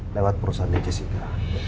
lewat perusahaan di jessica